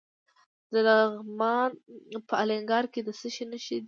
د لغمان په الینګار کې د څه شي نښې دي؟